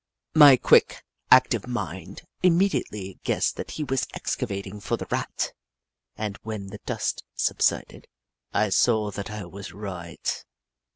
My quick, active mind immediately guessed that he was excavating for the Rat, and when the dust subsided, I saw that I was right.